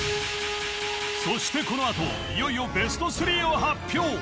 そしてこのあといよいよＢＥＳＴ３を発表